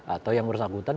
atau yang bersangkutan